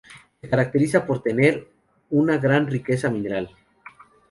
Se caracteriza por tener una gran riqueza mineral.